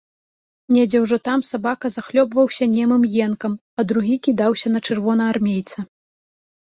Недзе ўжо там сабака захлёбваўся немым енкам, а другі кідаўся на чырвонаармейца.